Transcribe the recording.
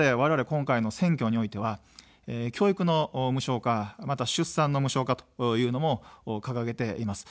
今回の選挙においては教育の無償化、また出産の無償化というのも掲げています。